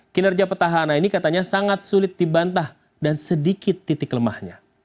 kinerja petahana ini katanya sangat sulit dibantah dan sedikit titik lemahnya